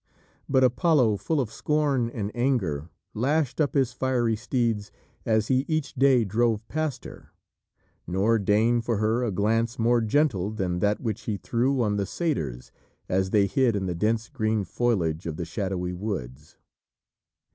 But Apollo, full of scorn and anger, lashed up his fiery steeds as he each day drove past her, nor deigned for her a glance more gentle than that which he threw on the satyrs as they hid in the dense green foliage of the shadowy woods.